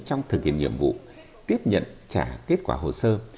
trong thực hiện nhiệm vụ tiếp nhận trả kết quả hồ sơ